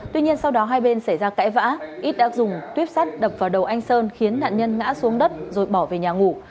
tuy nhiên sau đó hai bên xảy ra cãi vã ít đã dùng tuyếp sắt đập vào đầu anh sơn khiến nạn nhân ngã xuống đất rồi bỏ về nhà ngủ